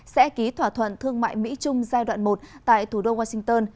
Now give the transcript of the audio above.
sẽ ký thỏa thuận thương mại mỹ trung giai đoạn một tại thủ đô washington